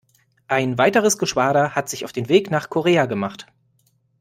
Ein weiteres Geschwader hat sich auf den Weg nach Korea gemacht.